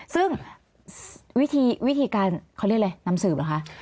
ซึ่งวิธีการเขาเรียกอะไรนำสืบเหรอคะ